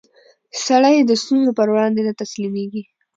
سړی د ستونزو پر وړاندې نه تسلیمېږي